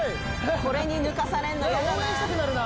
これに抜かされんのやだな。